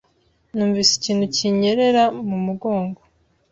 Numvise ikintu kinyerera mu mugongo.